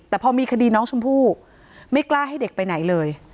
แต่พอมีคดีน้องชมพู่ไม่กล้าให้เด็กไปไหนเลย